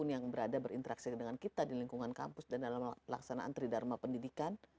yang berada berinteraksi dengan kita di lingkungan kampus dan dalam pelaksanaan tridharma pendidikan